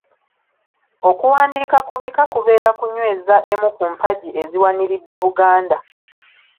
Okuwandiika ku bika kubeera kunyweza emu ku mpagi eziwaniridde Buganda.